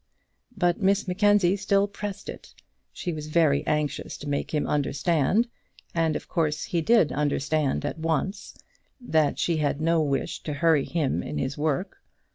But Miss Mackenzie still pressed it. She was very anxious to make him understand and of course he did understand at once that she had no wish to hurry him in his work.